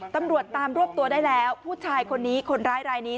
ตำรวจตามรวบตัวได้แล้วผู้ชายคนนี้คนร้ายรายนี้